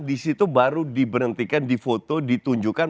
disitu baru diberhentikan di foto ditunjukkan